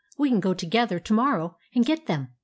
"We can go together to morrow and get them.